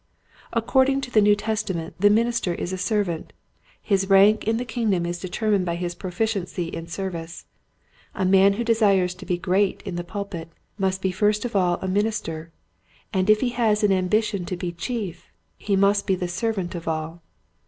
According to the New Testament the minister is a servant. His rank in the kingdom is determined by his proficiency 194 Quiet Hints to Growing Preachers. in service. A man who desires to be "great " in the pulpit must be first of all a minister, and if he has an ambition to be chief he must be the servant of all.